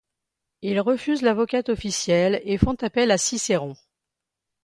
Ils refusent l'avocat officiel et font appel à Cicéron.